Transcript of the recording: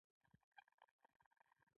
سست مالیکولونه ټیټه انرژي لري.